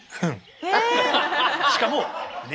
しかも嫌！